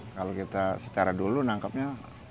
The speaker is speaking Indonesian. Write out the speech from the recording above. kalau kita secara dulu nangkepnya